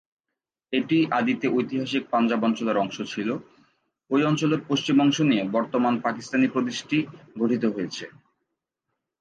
এটি আদিতে ঐতিহাসিক পাঞ্জাব অঞ্চলের অংশ ছিল; ঐ অঞ্চলের পশ্চিম অংশ নিয়ে বর্তমান পাকিস্তানি প্রদেশটি গঠিত হয়েছে।